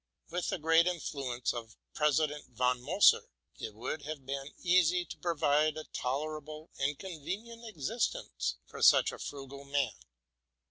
With the great influ ence of President von Moser, it would have been easy to provide a tolerable and convenient existence for such a frugal man.